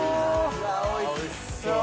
うわおいしそう！